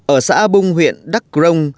ở xã bung huyện đắc rông